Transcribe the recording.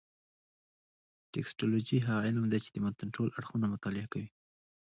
ټکسټولوجي هغه علم دﺉ، چي د متن ټول اړخونه مطالعه کوي.